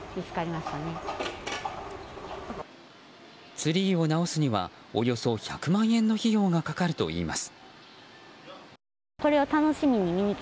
ツリーを直すにはおよそ１００万円の費用がかかるといいます。